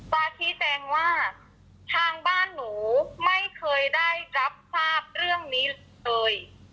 ฟ้าชี้แจงว่าทางบ้านหนูไม่เคยได้รับทราบเรื่องนี้เลย